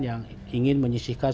yang ingin menyisihkan